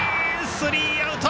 スリーアウト。